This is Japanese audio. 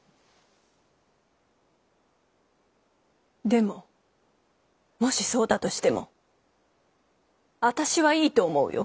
でももしそうだとしても私はいいと思うよ。